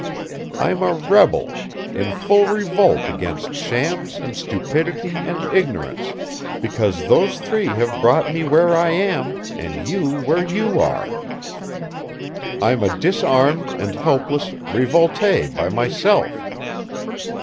I'm a rebel in full revolt against shams and stupidity and ignorance, because those three have brought me where I am and you where you are. I'm a disarmed and helpless revolte by myself.